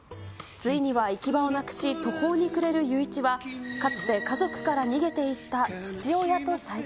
ついには行き場をなくし、途方に暮れる裕一は、かつて家族から逃げていった父親と再会。